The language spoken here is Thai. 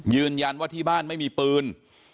ยืนยันว่าที่บ้านไม่มีปืน